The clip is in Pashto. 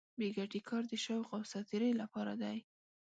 بې ګټې کار د شوق او ساتېرۍ لپاره دی.